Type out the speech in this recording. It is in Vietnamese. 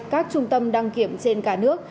các trung tâm đăng kiểm trên cả nước